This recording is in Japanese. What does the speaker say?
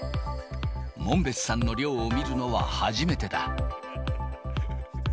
門別さんの猟を見るのは初めてだ。